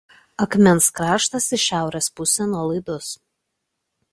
Akmens kraštas į šiaurės pusę nuolaidus.